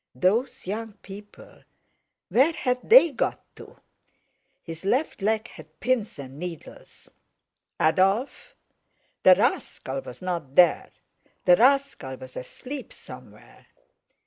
Those young people—where had they got to? His left leg had pins and needles. "Adolf!" The rascal was not there; the rascal was asleep somewhere.